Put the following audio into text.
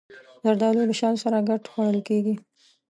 زردالو له شاتو سره ګډ خوړل کېږي.